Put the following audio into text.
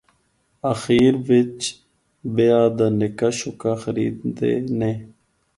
آخیر وچ بیاہ دا نکا شکا خریدے نے۔